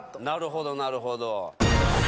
なるほどなるほど。